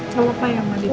kalau apa yang mau dikirim